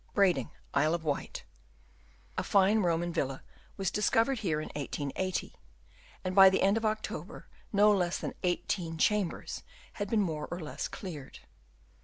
Brading, Isle of Wight. — A fine Roman villa was discovered here in 1880 ; and by the end of October no less than 18 chambers had been more or less cleared.